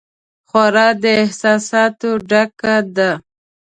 خور د احساساتو ډکه ده.